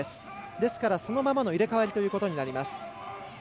ですからそのままの入れ代わりということになります。